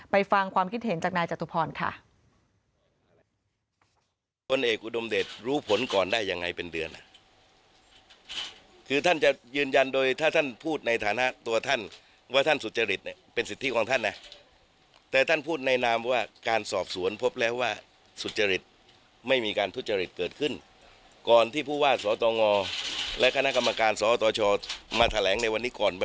ฟังความคิดเห็นจากนายจตุพรค่ะ